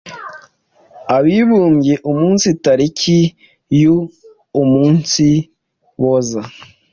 Abibumbye umunsi tariki y,Uumunsiboza